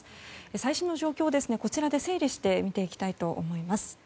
最新の状況をこちらで整理して見ていきたいと思います。